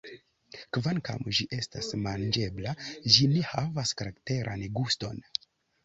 Kvankam ĝi estas manĝebla, ĝi ne havas karakteran guston.